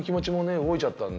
動いちゃったんで。